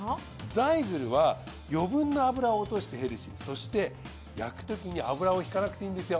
ザイグルは余分な脂を落としてヘルシーそして焼くときに油をひかなくていいんですよ。